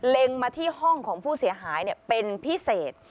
เล็งมาที่ห้องของผู้เสียหายเป็นพิเศษ